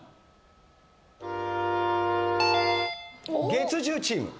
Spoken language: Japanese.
月１０チーム。